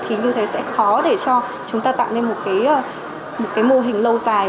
thì như thế sẽ khó để cho chúng ta tạo nên một cái mô hình lâu dài